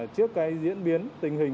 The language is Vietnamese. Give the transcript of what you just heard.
trước cái diễn biến tình hình